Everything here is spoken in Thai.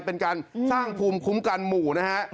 เป็นการสร้างภูมิคุ้มกันหมู่นะฮะ